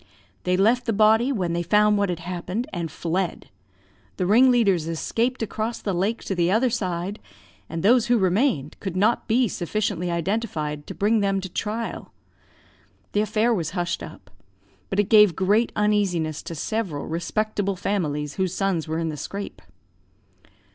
"They left the body, when they found what had happened, and fled. The ringleaders escaped across the lake to the other side; and those who remained could not be sufficiently identified to bring them to trial. The affair was hushed up; but it gave great uneasiness to several respectable families whose sons were in the scrape."